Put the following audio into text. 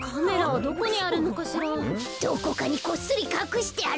どこかにこっそりかくしてあるんじゃ？